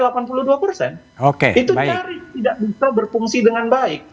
itu cari tidak bisa berfungsi dengan baik